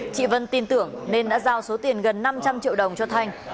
chị vân tin tưởng nên đã giao số tiền gần năm trăm linh triệu đồng cho thanh